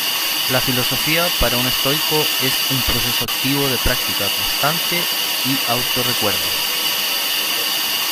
La Filosofía para un Estoico es un proceso activo de práctica constante y auto-recuerdo.